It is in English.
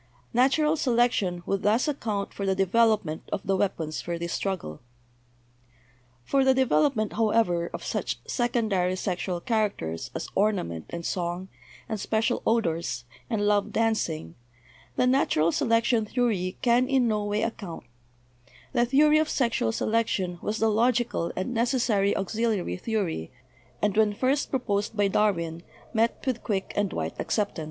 Natural selec tion would thus account for the development of the weap ons for this struggle. For the development, however, of such secondary sex ual characters as ornament and song, and special odors, and 'love dancing,' the natural selection theory can in no way account; the theory of sexual selection was the logi cal and necessary auxiliary theory, and when first pro posed by Darwin met with quick and wide acceptance.